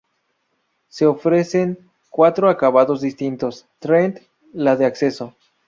Se ofrecen cuatro acabados distintos, "Trend", la de acceso.